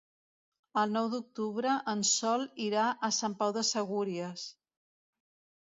El nou d'octubre en Sol irà a Sant Pau de Segúries.